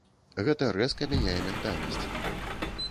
Гэта рэзка мяняе ментальнасць.